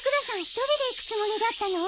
一人で行くつもりだったの？